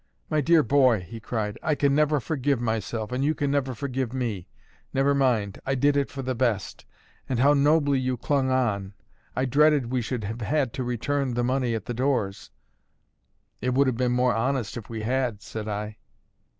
"My dear boy," he cried, "I can never forgive myself, and you can never forgive me. Never mind: I did it for the best. And how nobly you clung on! I dreaded we should have had to return the money at the doors." "It would have been more honest if we had," said I.